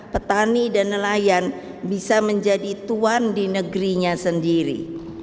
petani dan nelayan bisa menjadi tuan di negerinya sendiri